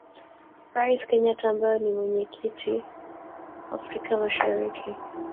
Rais Kenyatta ambaye ni Mwenyekiti wa Afrika mashariki